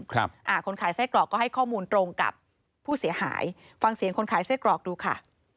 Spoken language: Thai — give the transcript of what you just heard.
อ่าคนขายไส้กรอกก็ให้ข้อมูลตรงกับผู้เสียหายฟังเสียงคนขายไส้กรอกดูค่ะ